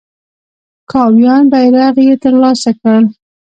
کاویان بیرغ یې تر لاسه کړ.